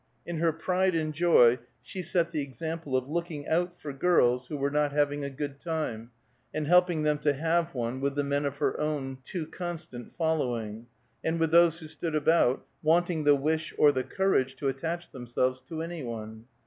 In her pride and joy, she set the example of looking out for girls who were not having a good time, and helping them to have one with the men of her own too constant following, and with those who stood about, wanting the wish or the courage to attach themselves to any one.